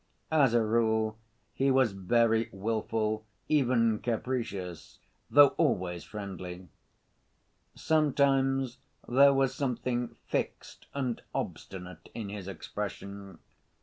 As a rule he was very willful, even capricious, though always friendly. Sometimes there was something fixed and obstinate in his expression.